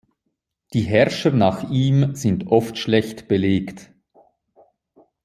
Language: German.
Die Herrscher nach ihm sind oft schlecht belegt.